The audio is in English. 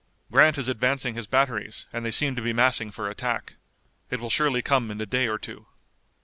"Grant is advancing his batteries, and they seem to be massing for attack. It will surely come in a day or two."